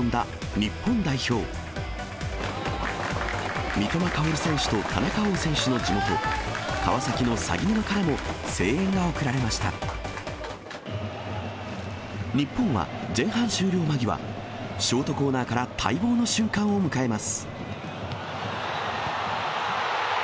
日本は前半終了間際、ショートコーナーから待望の瞬間を迎えます。